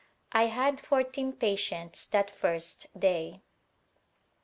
I had fourteen patients that first day.